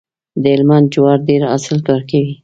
د هلمند جوار ډیر حاصل ورکوي.